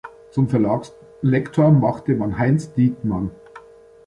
Zum Verlagslektor machte man Heinz Dieckmann.